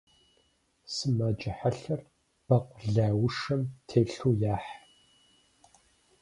Сымаджэ хьэлъэр бэкъулаушым телъу яхь.